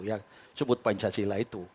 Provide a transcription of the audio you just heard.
yang disebut pancasila itu